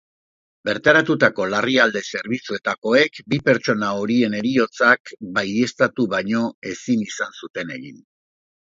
Bertaratutako larrialdi zerbitzuetakoak bi pertsona horien heriotzak baieztatu baino ezin izan zuten egin.